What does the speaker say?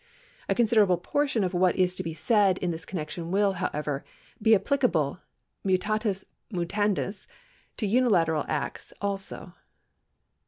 A consider able portion of what is to be said in this connection will, however, be applicable mutatis mutandis to unilateral acts also.